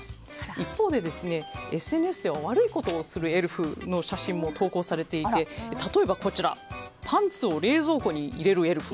一方で、ＳＮＳでは悪いことをするエルフの写真も投稿されていて例えばパンツを冷蔵庫に入れるエルフ。